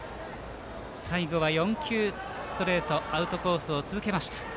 最後は４球、ストレートアウトコースを続けました。